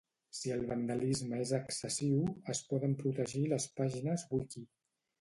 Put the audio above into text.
Si el vandalisme és excessiu, es poden protegir les pàgines wiki